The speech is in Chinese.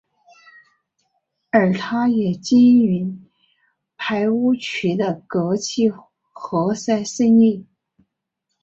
而他也经营排污渠的隔气活塞生意。